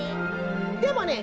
でもね